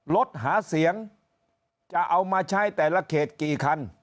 รถหาเสียงจะเอามาใช้แต่ละเขตกี่คัน